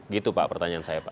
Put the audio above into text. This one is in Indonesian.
gitu pak pertanyaan saya pak